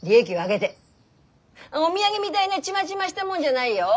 お土産みだいなチマチマしたもんじゃないよ？